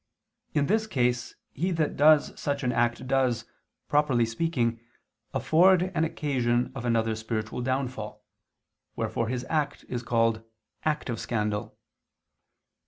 In this case he that does such an act does, properly speaking, afford an occasion of another's spiritual downfall, wherefore his act is called "active scandal."